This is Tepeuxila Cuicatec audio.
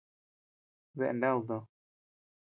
¿Dae nád tò?